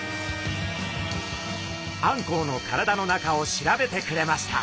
あんこうの体の中を調べてくれました。